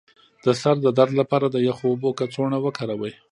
د سر د درد لپاره د یخو اوبو کڅوړه وکاروئ